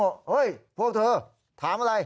เฮ้ยพวกเธอถามอะไร